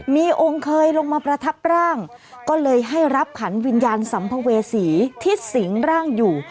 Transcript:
มีองค์เคยลงมาประทับร่างก็เลยให้รับขันวิญญาณสัมภเวษีที่สิงร่างอยู่